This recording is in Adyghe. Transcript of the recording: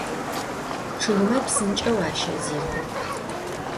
Ççıgme psınç'eu aşezêk'o.